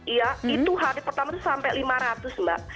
iya itu hari pertama itu sampai lima ratus mbak